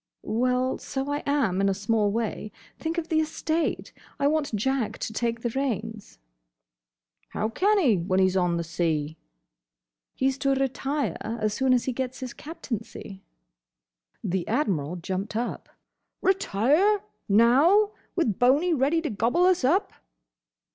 "Well, so I am, in a small way. Think of the estate! I want Jack to take the reins." "How can he, when he 's on the sea?" "He's to retire as soon as he gets his Captaincy." The Admiral jumped up. "Retire! Now! With Boney ready to gobble us up!"